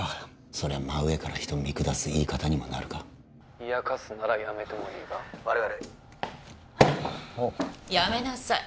そりゃ真上から人を見下す言い方にもなるか冷やかすならやめてもいいが悪い悪いあっやめなさい